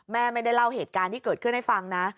แม่ไม่ได้เล่าเหตุการณ์ที่เกิดขึ้นให้ฟังนะ